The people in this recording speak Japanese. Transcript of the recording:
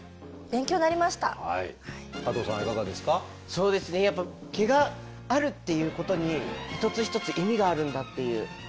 そうですねやっぱ毛があるっていうことに一つ一つ意味があるんだっていう。